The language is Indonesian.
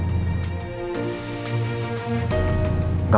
aku mau ngecek